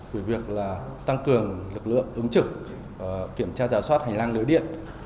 về việc tăng cường lực lượng ứng trực kiểm tra rào soát hành lang nửa điện